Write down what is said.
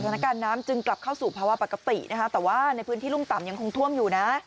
น้ำจึงกลับเข้าสู่ภาวะปกตินะคะแต่ว่าในพื้นที่รุ่มต่ำยังคงท่วมอยู่นะ